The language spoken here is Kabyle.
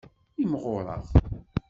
Imɣureɣ.